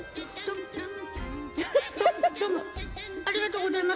ども、ありがとございます。